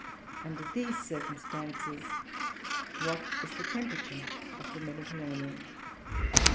Under these circumstances, what is the temperature of the Mediterranean?